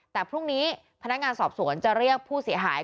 แต่พรุ่งนี้พนักงานสอบสวนจะเรียกผู้เสียหาย